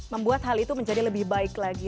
membuat hal itu menjadi lebih baik lagi